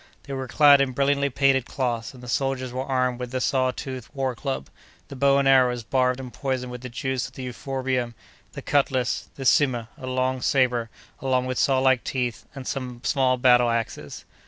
They were clad in brilliantly painted cloths, and the soldiers were armed with the saw toothed war club, the bow and arrows barbed and poisoned with the juice of the euphorbium, the cutlass, the "sima," a long sabre (also with saw like teeth), and some small battle axes.